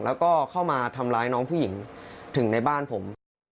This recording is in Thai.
แล้วก็เข้ามาทำร้ายน้องผู้หญิงถึงในบ้านผม